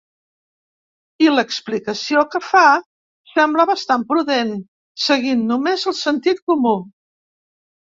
I l’explicació que fa sembla bastant prudent, seguint només el sentit comú.